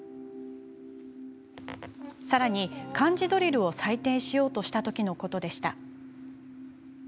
さらに、漢字ドリルを採点しようとしたときのことでした。